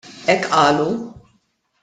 Hekk qal hu.